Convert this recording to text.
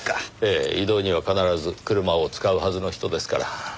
ええ移動には必ず車を使うはずの人ですから。